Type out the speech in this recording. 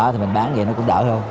thì mình bán vậy nó cũng đỡ hơn